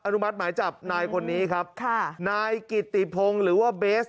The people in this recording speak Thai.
นุมัติหมายจับนายคนนี้ครับค่ะนายกิติพงศ์หรือว่าเบส